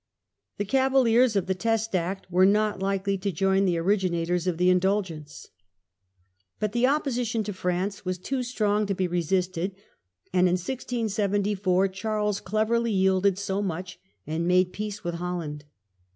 The Cavaliers of the Test Act were not likely to join the originators of the Indulgence. But the PARLIAMENT UNPOPULAR. 79 Opposition to France was too strong to be resisted, and in 1674 Charles cleverly yielded so much, and made peace with Holland.